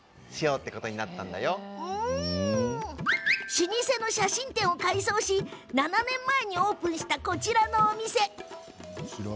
老舗の写真店を改装し７年前にオープンしたこちらのお店。